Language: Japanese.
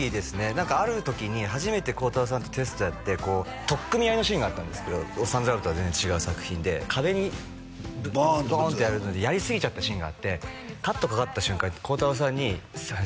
何かある時に初めて鋼太郎さんとテストやって取っ組み合いのシーンがあったんですけど「おっさんずラブ」とは全然違う作品で壁にボーンとやるのでやりすぎちゃったシーンがあってカットかかった瞬間に鋼太郎さんにすいません